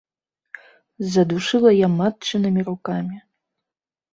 Задушыла я матчынымі рукамі.